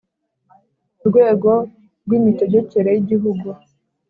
Rwego Rw Imitegekere Y Igihugu